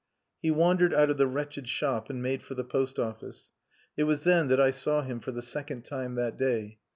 He wandered out of the wretched shop and made for the post office. It was then that I saw him for the second time that day.